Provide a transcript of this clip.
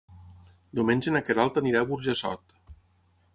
Diumenge na Queralt anirà a Burjassot.